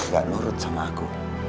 gak menurut sama aku